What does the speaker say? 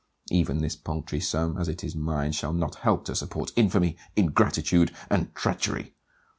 Even this paltry sum, as it is mine shall not help to support infamy, ingratitude, and treachery.